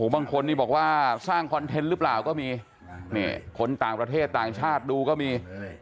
บางคนนี่บอกว่าสร้างคอนเทนต์หรือเปล่าก็มีคนต่างประเทศต่างชาติดูก็มี